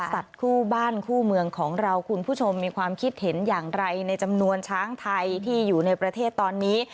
คู่บ้านคู่เมืองของเราคุณผู้ชมมีความคิดเห็นอย่างไรในจำนวนช้างไทยที่อยู่ในประเทศตอนนี้